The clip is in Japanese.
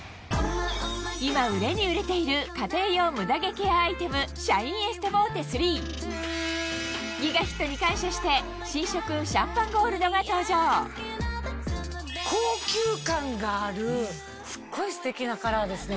今売れに売れている家庭用ムダ毛ケアアイテムギガヒットに感謝して新色シャンパンゴールドが登場高級感があるすっごいステキなカラーですね。